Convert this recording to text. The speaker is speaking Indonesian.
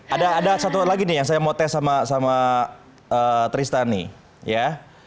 ada satu lagi nih yang saya mau tes sama tristani ya